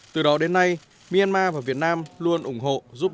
từ đó đến nay myanmar và việt nam luôn ủng hộ giúp đỡ và giúp đỡ các bạn